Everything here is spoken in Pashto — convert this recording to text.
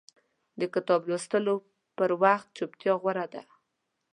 د کتاب لوستلو پر وخت چپتیا غوره ده.